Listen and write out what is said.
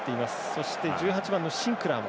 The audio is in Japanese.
そして１８番のシンクラー。